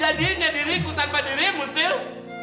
jadinya diriku tanpa dirimu sil